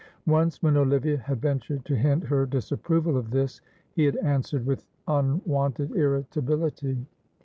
Once when Olivia had ventured to hint her disapproval of this he had answered with unwonted irritability.